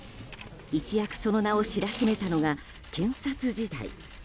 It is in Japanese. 一躍その名を知らしめたのが検察時代。